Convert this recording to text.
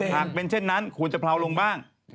หากเป็นเช่นนั้นควรจะเผาลงบ้าง